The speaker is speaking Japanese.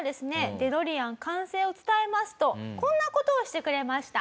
デロリアン完成を伝えますとこんな事をしてくれました。